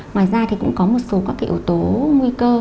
ngoài ra thì cũng có một số các cái yếu tố nguy cơ